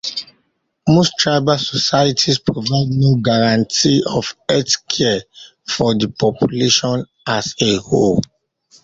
Most tribal societies provide no guarantee of healthcare for the population as a whole.